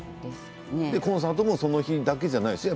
コンサートもその時だけじゃないですよね